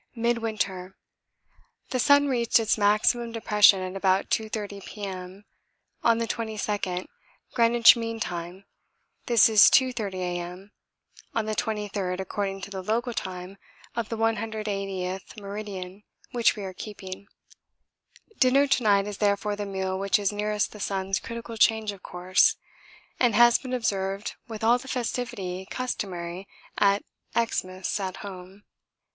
MIDWINTER. The sun reached its maximum depression at about 2.30 P.M. on the 22nd, Greenwich Mean Time: this is 2.30 A.M. on the 23rd according to the local time of the 180th meridian which we are keeping. Dinner to night is therefore the meal which is nearest the sun's critical change of course, and has been observed with all the festivity customary at Xmas at home.